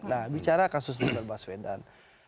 nah bicara kasus novel baswedan